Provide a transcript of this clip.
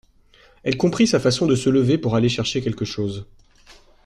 Elle comprit sa façon de se lever pour aller chercher quelque chose